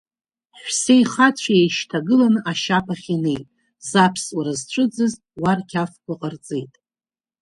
Ҳәсеи хацәеи еишьҭагыланы ашьаԥахь инеит, заԥсуара зцәыӡыз уа рқьафқәа ҟарҵеит.